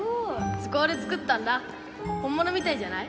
図工で作ったんだ本物みたいじゃない？